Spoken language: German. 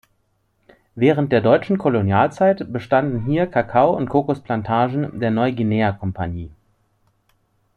Während der deutschen Kolonialzeit bestanden hier Kakao- und Kokosplantagen der Neuguinea-Kompagnie.